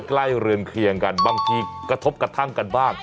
เรือนเคลียงกันบางทีกระทบกระทั่งกันบ้าง